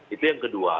itu yang kedua